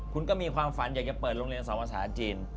คุณก็มีความฝันอยากจะเปิดโรงเรียนสำวัสดิ์อาสาทจีน